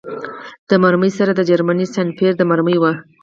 د مرمۍ سر د جرمني سنایپر د مرمۍ و